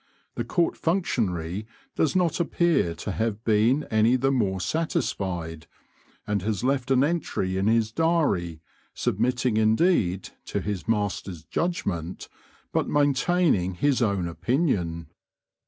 The court functionary does not appear to have been any the more satisfied, and has left an entry in his diary, submitting indeed to his master's judgment, but maintaining his own opinion.